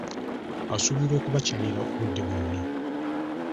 Asuubirwa okubakyalira obudde bwonna.